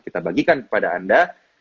kita bagikan kepada anda